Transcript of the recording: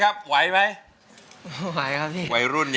อันดับนี้เป็นแบบนี้